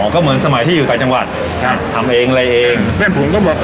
ก็เหมือนสมัยที่อยู่ต่างจังหวัดครับทำเองอะไรเองแม่ผมก็บอก